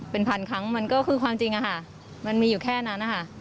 เป็นพันครั้งมันก็คือความจริงอะค่ะมันมีอยู่แค่นั้นนะคะ